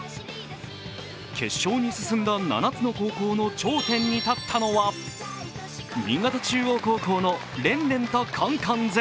決勝に進んだ７つの高校の頂点に立ったのは新潟中央高校のレンレンとコンコン’ｓ。